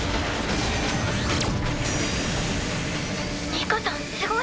ニカさんすごい。